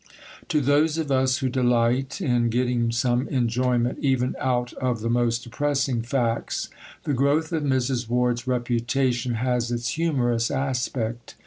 To those of us who delight in getting some enjoyment even out of the most depressing facts, the growth of Mrs. Ward's reputation has its humorous aspect.